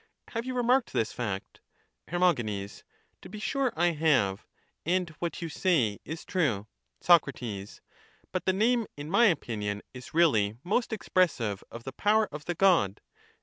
Have you remarked this fact? Her. To be sure I have, and what you say is true. Sac. But the name, in my opinion, is really most expressive of the power of the God.